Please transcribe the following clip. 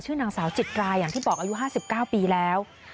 นางสาวจิตราอย่างที่บอกอายุ๕๙ปีแล้ว